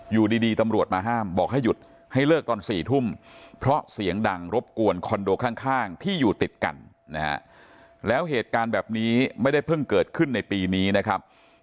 อยู่ดีตำรวจมาห้ามบอกให้หยุดให้เลิกตอน๔ทุ่มเพราะเสียงดังรบกวนคอนโดข้างที่อยู่ติดกันนะฮะแล้วเหตุการณ์แบบนี้ไม่ได้เพิ่งเกิดขึ้นในปีนี้นะครับ